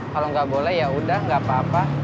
kalau nggak boleh yaudah nggak apa apa